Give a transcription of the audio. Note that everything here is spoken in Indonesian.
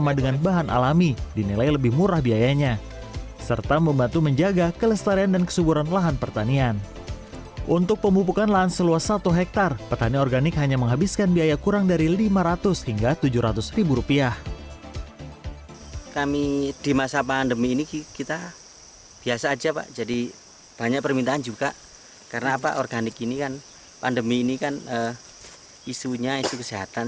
jadi banyak permintaan juga karena apa organik ini kan pandemi ini kan isunya isu kesehatan